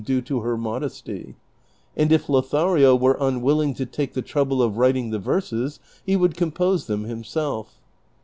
289 due to her modesty; and if Lothario were unwilling to take the trouble of writing the verses he would compose them himself.